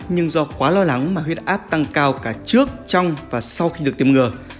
nhưng do quá lo lắng mà huyết áp tăng cao cả trước trong và sau khi được tiêm ngừa